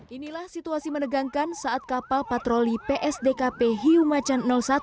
inilah situasi menegangkan saat kapal patroli psdkp hiumacan satu